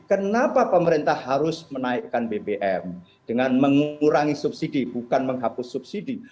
kenapa pemerintah harus menaikkan bbm dengan mengurangi subsidi bukan menghapus subsidi